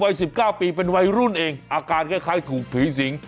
๑๙ปีเป็นวัยรุ่นเองอาการคล้ายถูกผีสิง